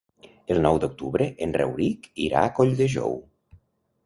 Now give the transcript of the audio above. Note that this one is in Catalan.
El nou d'octubre en Rauric irà a Colldejou.